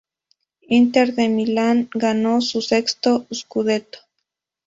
Inter de Milán ganó su sexto "scudetto".